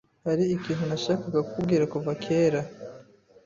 Hariho ikintu nashakaga kukubwira kuva kera.